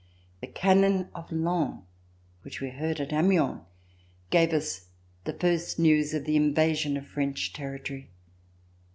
The cannon of Laon which we heard at Amiens gave us the first news of the invasion of French territory.